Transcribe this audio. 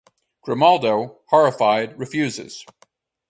Grimoaldo, horrified, refuses.